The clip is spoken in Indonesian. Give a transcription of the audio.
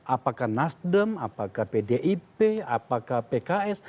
apakah nasdem apakah pdip apakah pks